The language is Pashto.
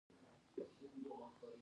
زړه مې د غم لاندې ښخ شو.